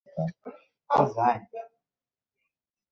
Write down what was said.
এখনও অ্যালেক্সের কাছ থেকে কোনও চিঠি পাইনি!